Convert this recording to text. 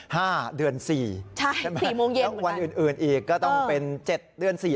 ห้าเดือนสี่ใช่ใช่ไหมสี่โมงเย็นต้องวันอื่นอื่นอีกก็ต้องเป็นเจ็ดเดือนสี่